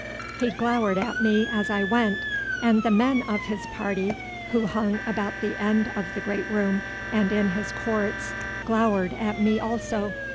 He glowered at me as I went, and the men of his party who hung about the end of the great room and in his courts, glowered at me also.